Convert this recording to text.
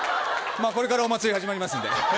これからお祭り始まりますんで。